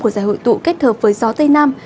của giải hội tụ kết hợp với gió tây nam